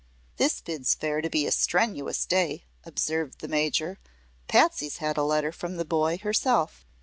"This bids fair to be a strenuous day," observed the Major. "Patsy's had a letter from the boy, herself."